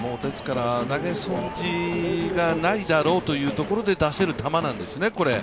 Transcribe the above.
投げ損じがないだろうというところで出せる球なんですね